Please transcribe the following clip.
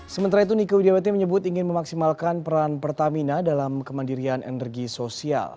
sementara itu nike widjawati menyebut inginkan peran pertamina dalam kemandirian energi sosial